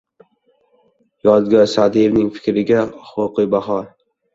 Yodgor Sa’dievning fikrlariga huquqiy baho